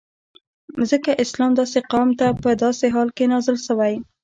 ځکه اسلام داسی قوم ته په داسی حال کی نازل سوی